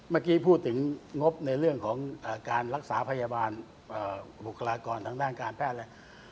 เมื่อกี้พูดถึงงบในเรื่องของการรักษาพยาบาลบุคลากรทางด้านการแพทย์อะไร